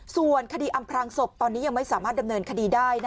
ส่วนคดีอำพลางศพตอนนี้ยังไม่สามารถดำเนินคดีได้